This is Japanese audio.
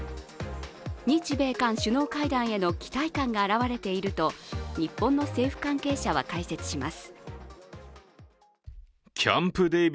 日米韓首脳会談への期待感が表れていると日本の政府関係者は解説します。